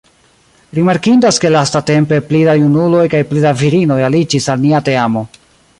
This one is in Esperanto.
Rimarkindas ke lastatempe pli da junuloj kaj pli da virinoj aliĝis al nia teamo.